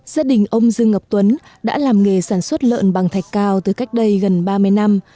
gia đình ông dương ngọc tuấn đã làm nghề sản xuất lợn bằng thạch cao từ cách đây gần ba mươi năm